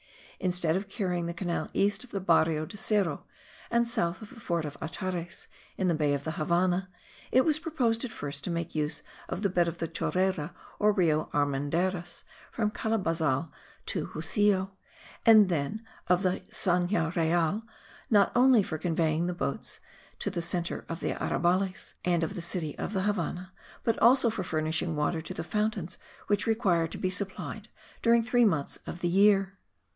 Instead of carrying the canal east of the Barrio del Cerro and south of the fort of Atares, in the bay of the Havannah, it was proposed at first to make use of the bed of the Chorrera or Rio Armendaris, from Calabazal to the Husillo, and then of the Zanja Real, not only for conveying the boats to the centre of the arrabales and of the city of the Havannah, but also for furnishing water to the fountains which require to be supplied during three months of the year.